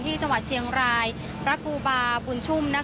ที่จังหวัดเชียงรายพระครูบาบุญชุ่ม